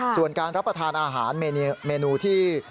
ทางรับประทานอาหารเมนูที่